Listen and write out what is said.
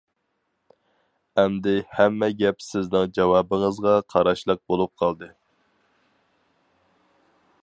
ئەمدى ھەممە گەپ سىزنىڭ جاۋابىڭىزغا قاراشلىق بولۇپ قالدى.